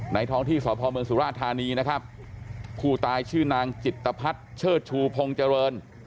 ท้องที่สพเมืองสุราธานีนะครับผู้ตายชื่อนางจิตภัทรเชิดชูพงษ์เจริญ